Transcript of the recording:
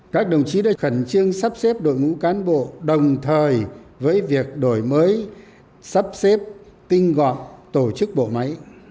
các đồng chí đã khẩn trương sắp xếp đội ngũ cán bộ đồng thời với việc đổi mới sắp xếp tinh gọn tổ chức bộ máy